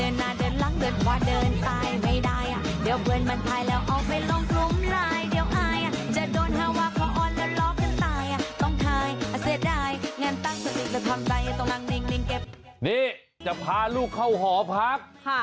นี่จะพาลูกเข้าหอพัก